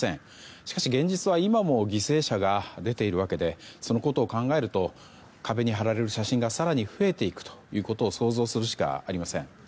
しかし、現実は今も犠牲者が出ているわけでそのことを考えると壁に貼られる写真が更に増えていくことを想像するしかありません。